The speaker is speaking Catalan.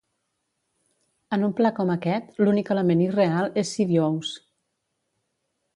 En un pla com aquest, l'únic element irreal és Sidious.